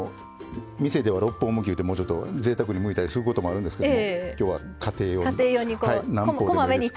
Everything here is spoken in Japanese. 店では六方むき言うてもうちょっとぜいたくにむいたりすることもあるんですけども今日は家庭用に何方でもいいです。